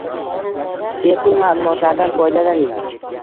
bepul maʼlumotlardan foydalaning